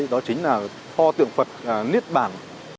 đó chính là pho tượng phật niết bản